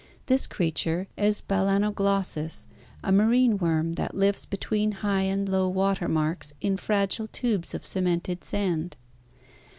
This creature is Balanoglos sus, a marine worm that lives between high and low water marks in fragile tubes of cemented sand.